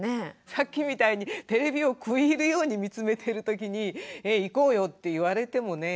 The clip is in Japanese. さっきみたいにテレビを食い入るように見つめているときに「行こうよ」って言われてもね。